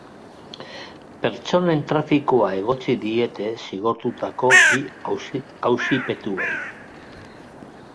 Pertsonen trafikoa egotzi diete zigortutako bi auzipetuei.